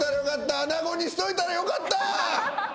アナゴにしといたらよかった！